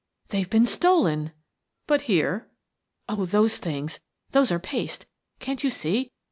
"They've been stolen!" " But here —"" Oh, those things ! Those are paste! Can't you see?